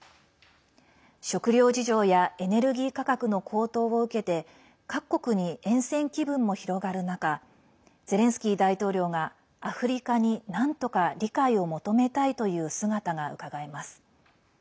食料事情やエネルギー価格の高騰を受けて各国に、えん戦気分も広がる中ゼレンスキー大統領がアフリカになんとか理解を求めたいという姿がうかがえます。